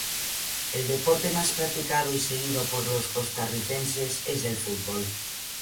El deporte más practicado y seguido por los costarricenses es el fútbol.